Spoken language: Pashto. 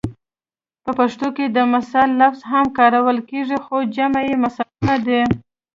په پښتو کې د مثال لفظ هم کارول کیږي خو جمع یې مثالونه ده